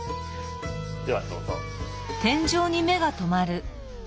ではどうぞ。